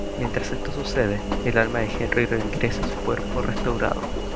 Mientras esto sucede, el alma de Henry regresa a su cuerpo restaurado.